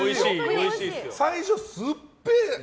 最初すっぺえ！